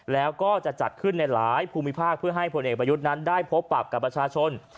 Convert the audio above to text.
แล้วก็จะจัดขึ้นในหลายภูมิภาคเพื่อให้ผลเอกประยุทธ์นั้นได้พบปรับกับประชาชน